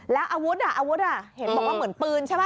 แล้วอาวุธอ่ะอาวุธเห็นบอกว่าเหมือนปืนใช่ไหม